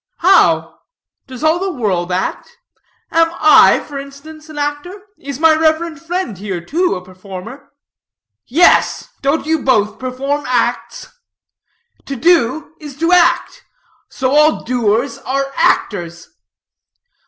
"How? Does all the world act? Am I, for instance, an actor? Is my reverend friend here, too, a performer?" "Yes, don't you both perform acts? To do, is to act; so all doers are actors."